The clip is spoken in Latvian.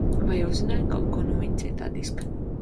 Vai uzzināji kaut ko no viņa cietā diska?